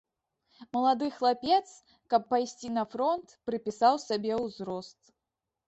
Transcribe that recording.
Малады хлапец, каб пайсці на фронт, прыпісаў сабе ўзрост.